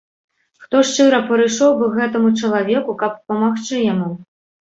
Хто шчыра прыйшоў бы к гэтаму чалавеку, каб памагчы яму?